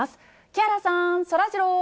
木原さん、そらジロー。